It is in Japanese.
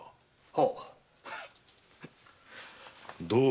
はっ。